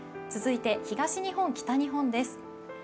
続いて東日本、北日本です。